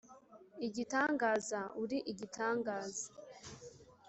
igitangaza… uri igitangaza.